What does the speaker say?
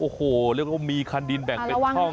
โอ้โหเรียกว่ามีคันดินแบ่งเป็นช่อง